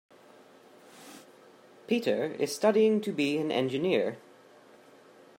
Peter is studying to be an engineer.